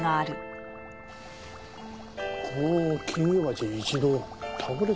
この金魚鉢一度倒れてますね。